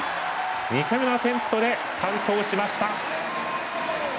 ２回目のアテンプトで完登しました。